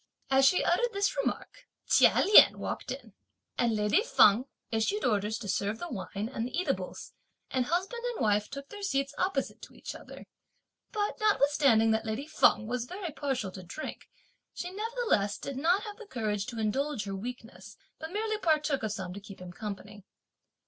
As she uttered this remark, Chia Lien walked in, and lady Feng issued orders to serve the wine and the eatables, and husband and wife took their seats opposite to each other; but notwithstanding that lady Feng was very partial to drink, she nevertheless did not have the courage to indulge her weakness, but merely partook of some to keep him company.